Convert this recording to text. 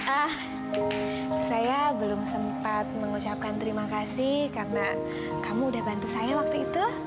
ah saya belum sempat mengucapkan terima kasih karena kamu udah bantu saya waktu itu